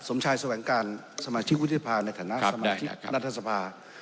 สมชายแสวงการสมาชิกวุฒิภาในฐานะสมาชิกรัฐสภา